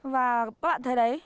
và các bạn thấy đấy